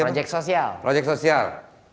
proyek sosial proyek sosial